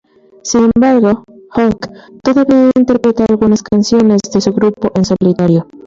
Sin embargo, Joke, todavía interpreta algunas canciones de su grupo en solitario.